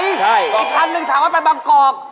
อีกคันหนึ่งถามว่าไปบางกอก